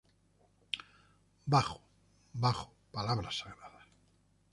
Bajo, bajo, palabras sagradas".